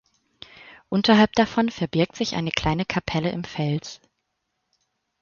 Unterhalb davon verbirgt sich eine kleine Kapelle im Fels.